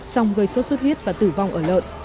song gây sốt xuất huyết và tử vong ở lợn